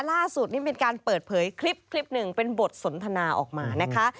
ล่าสุดนี่มีการเปิดเผยคลิปหนึ่งเป็นบทสนทนาออกมานะคะ